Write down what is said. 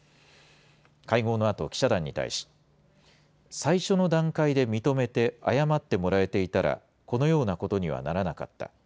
会合のあと記者団に対し、最初の段階で認めて謝ってもらえていたら、このようなことにはならなかった。